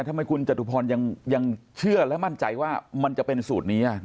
ทำไมคุณจตุพรยังเชื่อและมั่นใจว่ามันจะเป็นสูตรนี้